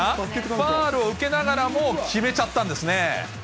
ファウルを受けながらも、決めちゃったんですね。